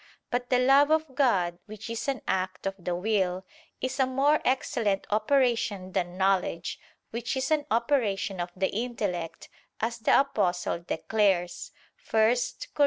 But the love of God, which is an act of the will, is a more excellent operation than knowledge, which is an operation of the intellect, as the Apostle declares (1 Cor.